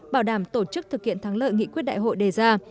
bảo đảm tổ chức thực hiện thắng lợi nghị quyết đại hội đề ra